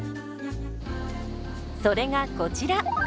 それがこちら。